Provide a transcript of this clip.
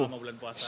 selama bulan puasa